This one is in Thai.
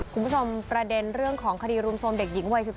คุณผู้ชมประเด็นเรื่องของคดีรุมโทรมเด็กหญิงวัย๑๔